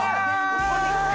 ここに来て。